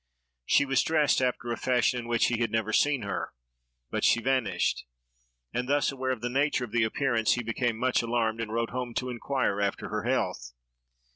She was dressed after a fashion in which he had never seen her; but she vanished,—and thus, aware of the nature of the appearance, he became much alarmed, and wrote home to inquire after her health.